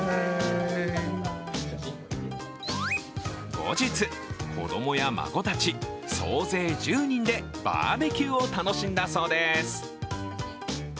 後日、子供や孫たち総勢１０人でバーベキューを楽しんだそうです。